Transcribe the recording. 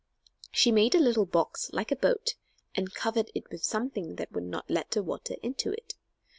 She made a little box like a boat and covered it with something that would not let the water into it.